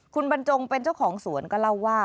คุณบรรจงเป็นเจ้าของสวนก็เล่าว่า